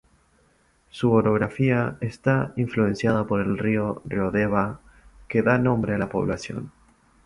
Su orografía está influenciada por el río Riodeva, que da nombre a la población.